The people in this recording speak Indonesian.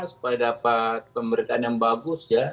supaya dapat pemberitaan yang bagus ya